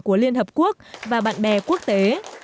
của liên hợp quốc và bạn bè quốc tế